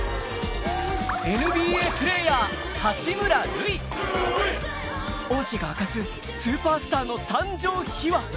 ＮＢＡプレーヤー恩師が明かすスーパースターの誕生秘話